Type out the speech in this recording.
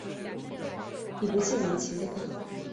你不借我们钱的话